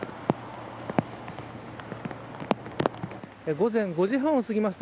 午前５時半をすぎました。